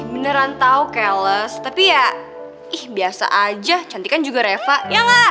beneran tau keles tapi ya ih biasa aja cantik kan juga reva ya gak